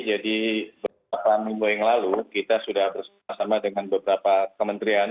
jadi beberapa minggu yang lalu kita sudah bersama sama dengan beberapa kementerian